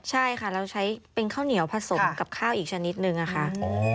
ใช่ค่ะเราใช้เป็นข้าวเหนียวผสมกับข้าวอีกชนิดนึงค่ะ